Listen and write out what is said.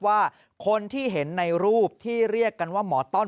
ว่าคนที่เห็นในรูปที่เรียกกันว่าหมอต้อน